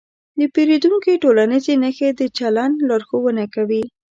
د پیریدونکي ټولنیزې نښې د چلند لارښوونه کوي.